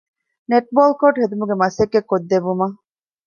ނެޓްބޯލްކޯޓު ހެދުމުގެ މަސައްކަތް ކޮށްދެއްވުމަށް